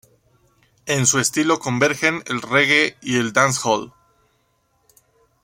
En su estilo convergen el Reggae y el Dancehall.